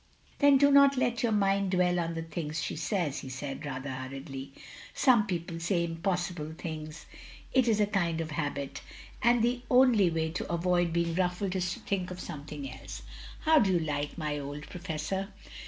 "Then do not let your mind dwell on the things she says," he said, rather htiniedly. "Some people say impossible things. It is a kind of habit, and the only way to avoid being ruffled is to think of something else. How do you like my old professor?"